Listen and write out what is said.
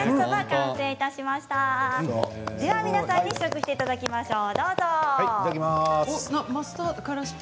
皆さんに試食していただきましょう。